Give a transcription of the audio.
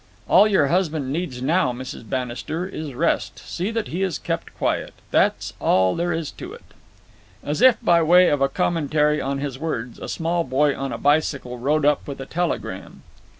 "All your husband needs now, Mrs. Bannister, is rest. See that he is kept quiet. That's all there is to it." As if by way of a commentary on his words, a small boy on a bicycle rode up with a telegram.